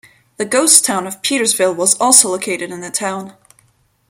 The ghost town of Petersville was also located in the town.